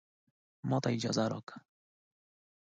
ماته اجازه راکړه